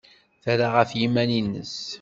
Terra ɣef yiman-nnes.